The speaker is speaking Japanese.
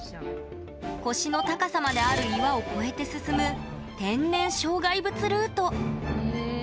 腰の高さまである岩を越えて進む天然障害物ルート。